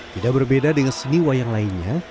tidak berbeda dengan seni wayang lainnya